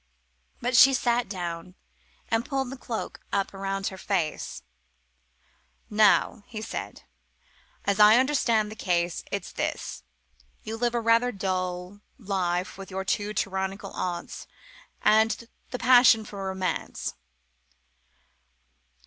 But she sat down and pulled the cloak up round her face. "Now," he said, "as I understand the case it's this. You live rather a dull life with two tyrannical aunts and the passion for romance...."